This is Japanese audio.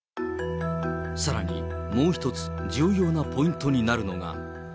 さらにもう一つ、重要なポイントになるのが。